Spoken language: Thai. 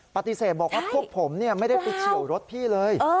ปฏิเสธบอกว่าพวกผมไม่ได้ไปเฉียวรถพี่เลย